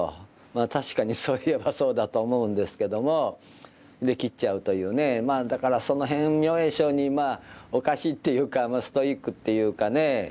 まあ確かにそういえばそうだと思うんですけどもで切っちゃうというねまあだからその辺明恵上人まあおかしいっていうかストイックっていうかね